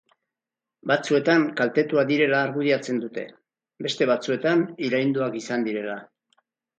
Batzuetan kaltetuak direla argudiatzen dute, beste batzuetan irainduak izan direla.